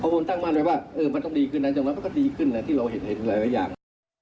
ผมตั้งมั่นไว้ว่ามันต้องดีขึ้นนะจากนั้นมันก็ดีขึ้นนะที่เราเห็นหลายอย่าง